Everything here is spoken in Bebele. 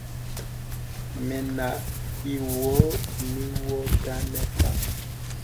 Mənə ivɔ̄ɔ̄ nì vɔ̄ɔ̄ tənə pək.